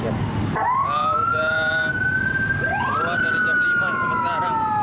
ya udah keluar dari jam lima sama sekarang